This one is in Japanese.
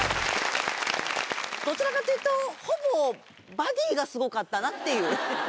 どちらかというとほぼバディがスゴかったなっていう。